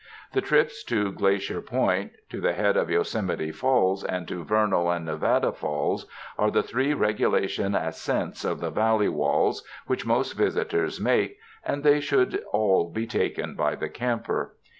The trips to Glacier Point, 64 THE MOUNTAINS to the head of Yosemite Falls, and to Vernal and Nevada Falls, are the three regulation ascents of the Valley walls which most visitors make, and they should all be taken by the camper.